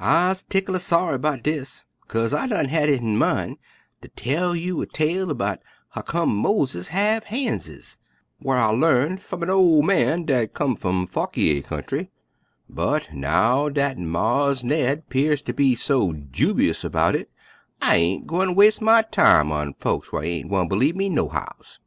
I'se 'tickler saw'y 'bout dis, 'kase I done had hit in min' ter tell you a tale 'bout huccome moleses have han'ses, whar I larn f'um a ooman dat come f'um Fauquier kyounty, but now dat Mars' Ned 'pear ter be so jubous 'bout hit, I ain' gwine was'e my time on folks whar ain' gwine b'lieve me, nohows.